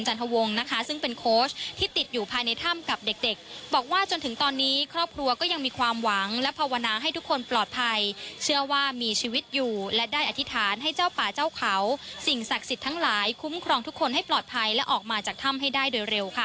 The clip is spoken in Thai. วงนะคะซึ่งเป็นโค้ชที่ติดอยู่ภายในถ้ำกับเด็กเด็กบอกว่าจนถึงตอนนี้ครอบครัวก็ยังมีความหวังและภาวนาให้ทุกคนปลอดภัยเชื่อว่ามีชีวิตอยู่และได้อธิษฐานให้เจ้าป่าเจ้าเขาสิ่งศักดิ์สิทธิ์ทั้งหลายคุ้มครองทุกคนให้ปลอดภัยและออกมาจากถ้ำให้ได้โดยเร็วค่ะ